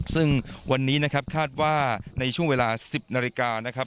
ซึ่งวันนี้นะครับคาดว่าในช่วงเวลา๑๐นาฬิกานะครับ